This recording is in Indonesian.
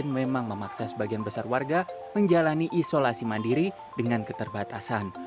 memang memaksa sebagian besar warga menjalani isolasi mandiri dengan keterbatasan